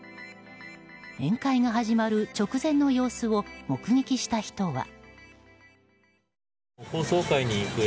宴会が始まる直前の様子を目撃した人は。